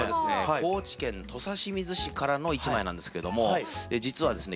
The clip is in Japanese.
高知県土佐清水市からの一枚なんですけども実はですね